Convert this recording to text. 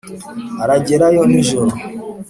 aragerayo nijoro